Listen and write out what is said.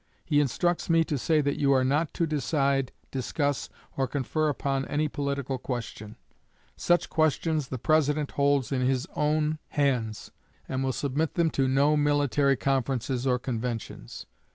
He instructs me to say that you are not to decide, discuss, or confer upon any political question. Such questions the President holds in his own hands, and will submit them to no military conferences or conventions."